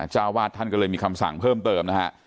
เจ้าวาดท่านก็เลยมีคำสั่งเพิ่มเติมนะฮะ